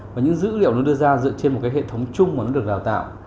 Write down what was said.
và những dữ liệu nó đưa ra dựa trên một cái hệ thống chung mà nó được đào tạo